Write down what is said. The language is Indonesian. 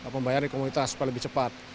pembayaran di komunitas supaya lebih cepat